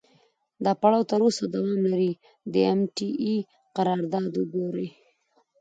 دا پړاو تر اوسه دوام لري، د ام ټي اې قرارداد وګورئ.